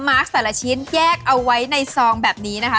แต่ละชิ้นแยกเอาไว้ในซองแบบนี้นะคะ